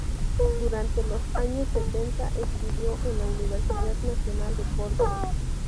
Durante los años setenta estudió en la Universidad Nacional de Córdoba.